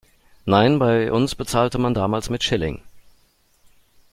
Nein, bei uns bezahlte man damals mit Schilling.